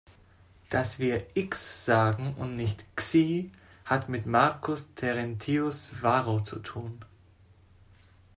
Dass wir „iks“ sagen und nicht „ksi“, hat mit Marcus Terentius Varro zu tun.